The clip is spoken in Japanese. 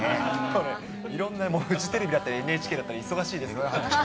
いろんな、もうフジテレビだったり、ＮＨＫだったり忙しいですけど。